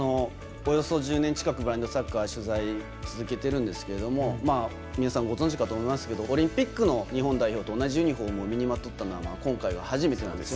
およそ１０年近く取材を続けてるんですけど皆さんご存じかと思いますがオリンピックの日本代表のユニフォームと同じユニフォーム身にまとったのは今回、初めてなんです。